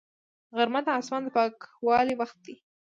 غرمه د اسمان د پاکوالي وخت دی